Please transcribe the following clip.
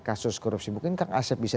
kasus korupsi mungkin kang asep bisa